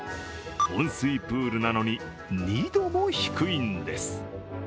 温水プールなのに２度も低いんです。